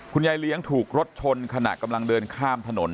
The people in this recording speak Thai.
ยายเลี้ยงถูกรถชนขณะกำลังเดินข้ามถนน